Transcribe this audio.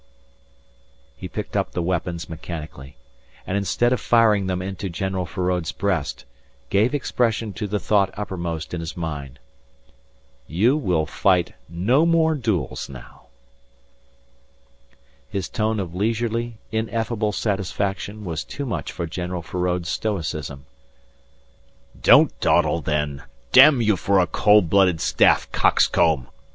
He picked up the weapons mechanically, and instead of firing them into General Feraud's breast, gave expression to the thought uppermost in his mind. "You will fight no more duels now." [Illustration: frontispiece166.jpg "You will fight no more duels now."] His tone of leisurely, ineffable satisfaction was too much for General Feraud's stoicism. "Don't dawdle then, damn you for a coldblooded staff coxcomb!"